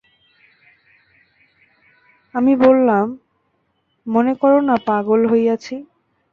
আমি বলিলাম, মনে করো-না পাগলই হইয়াছি।